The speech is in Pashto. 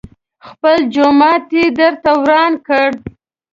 خپل جومات يې درته وران کړ.